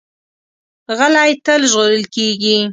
غلی، تل ژغورل کېږي.